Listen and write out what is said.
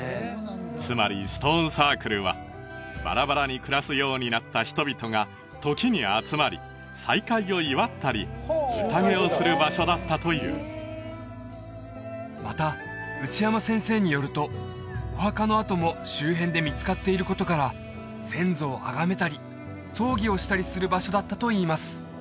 つまりストーンサークルはバラバラに暮らすようになった人々が時に集まり再会を祝ったり宴をする場所だったというまた内山先生によるとお墓の跡も周辺で見つかっていることから先祖をあがめたり葬儀をしたりする場所だったといいます